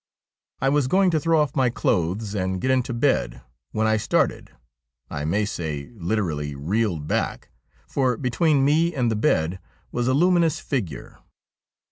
I was going to throw off my clothes and get into bed when I started, I may say literally reeled back, for between me and the bed was a luminous figure.